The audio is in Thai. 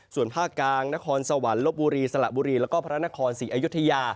ส่วนภาคกลางนครสวรรค์ลบบุรีสละบุรีแล้วก็พระนครศรีอยุธยา